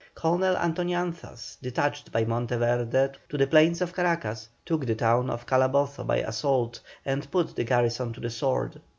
Colonel Antoñanzas, detached by Monteverde to the plains of Caracas, took the town of Calabozo by assault, and put the garrison to the sword.